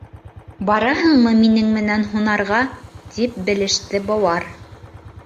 Бараһыңмы минең менән һунарға? — тип белеште быуар.